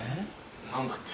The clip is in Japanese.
・何だって？